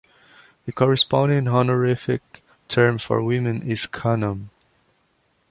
The corresponding honorific term for women is khanum.